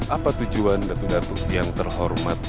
apa tujuan datu datuk yang terhormat